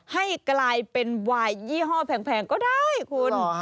ให้กลายเป็นวายยี่ห้อแพงก็ได้คุณ